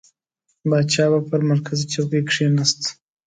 پاچا به پر مرکزي چوکۍ کښېنست.